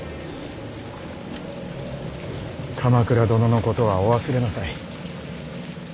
鎌倉殿のことはお忘れなさい。